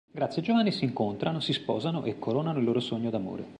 Grazia e Giovanni si incontrano, si sposano e coronano il loro sogno d'amore.